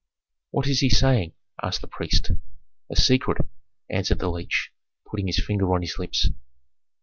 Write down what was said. "What is he saying?" asked the prince. "A secret," answered the leech, putting his finger on his lips.